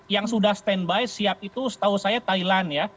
yang sudah standby siap itu setahu saya thailand ya